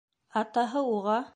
Атаһы уға: